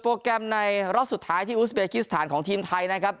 แกรมในรอบสุดท้ายที่อุสเบคิสถานของทีมไทยนะครับ